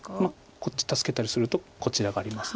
こっち助けたりするとこちらがあります。